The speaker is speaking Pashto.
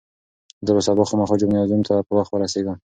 زه به سبا خامخا جمنازیوم ته په وخت ورسېږم.